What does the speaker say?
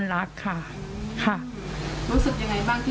รู้สึกยังไงบ้างที่คุณทักษิณจะกลับมาเมืองไทยละ